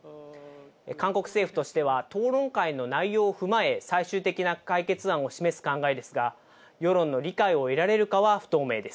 韓国政府としては、討論会の内容を踏まえ、最終的な解決案を示す考えですが、世論の理解を得られるかは不透明です。